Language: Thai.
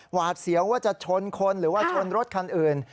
หวาดเสียวว่าจะชนคนหรือว่าชนรถคันอื่น